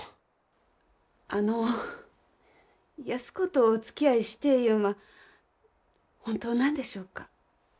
あの安子とおつきあいしてえいうんは本当なんでしょうか？